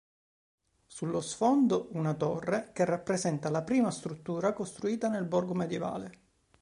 Sullo sfondo, una torre, che rappresenta la prima struttura costruita nel borgo medioevale.